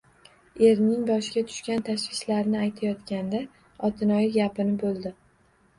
Erining boshiga tushgan tashvishlarni aytayotganda otinoyi gapini bo`ldi